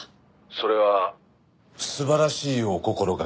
それは素晴らしいお心掛けかと。